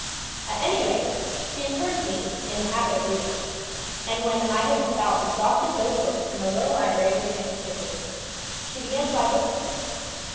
At any rate she encouraged in me the habit of reading, and when I had about exhausted those books in the little library which interested me, she began to buy books for me.